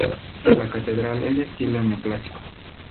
La catedral es de estilo neo-clásico.